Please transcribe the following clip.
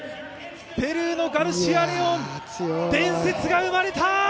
ペルーのガルシア・レオン、伝説が生まれた！